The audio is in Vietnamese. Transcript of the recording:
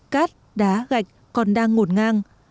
cát đá gạch còn đang ngột ngang